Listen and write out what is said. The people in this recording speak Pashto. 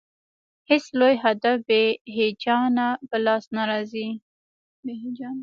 هېڅ لوی هدف بې هیجانه په لاس نه راځي.